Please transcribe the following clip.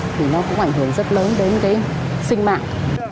thì nó cũng ảnh hưởng rất lớn đến cái sinh mạng